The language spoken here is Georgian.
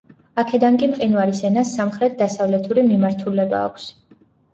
აქედან კი მყინვარის ენას სამხრეთ-დასავლეთური მიმართულება აქვს.